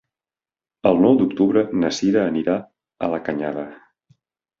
El nou d'octubre na Cira anirà a la Canyada.